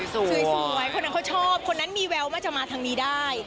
สวยคนนั้นเขาชอบคนนั้นมีแววว่าจะมาทางนี้ได้